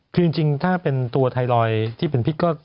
คือจริงถ้าเป็นตัวไทรอยด์ที่เป็นพิษก็